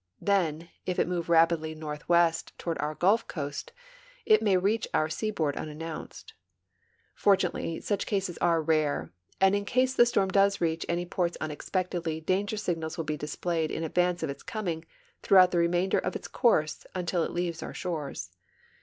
Then, if it move rapidly northwest toAvard our Gulf coast, it may reach our seaboard unannounced. Fortu nately such cases are rare, and in case the storm does reach any ports unexpectedly danger signals Avill be displayed in advance of its coming throughout the remainder of its course until it leaves our shores.